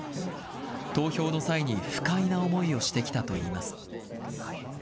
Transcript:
投票の際に不快な思いをしてきたといいます。